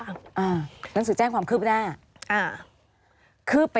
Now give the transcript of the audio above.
หนังสือแจ้งความคืบหน้า